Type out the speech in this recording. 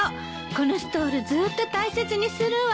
このストールずっと大切にするわ。